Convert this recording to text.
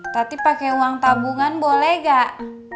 tadi pake uang tabungan boleh gak